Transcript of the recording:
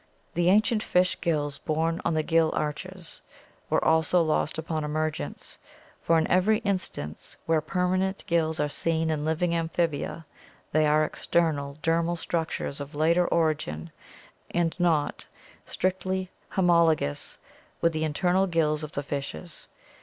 — T h e ancient fish gills, borne on the gill arches, were also lost upon emergence, for in every instance where permanent gills are seen in living am phibia they are external dermal structures of later origin and not strictly homologous with the internal gills of the fishes.